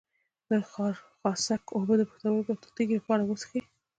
د خارخاسک اوبه د پښتورګو د تیږې لپاره وڅښئ